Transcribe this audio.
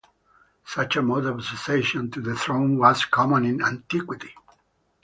Such a mode of succession to the throne was common in antiquity.